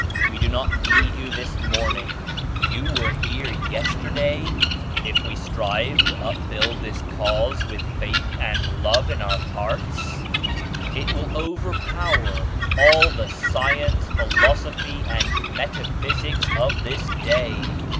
We do not need you this morning; you were here yesterday?' If we strive to up build this Cause with faith and love in our hearts it will over power all the science, philosophy and metaphysics of this Day.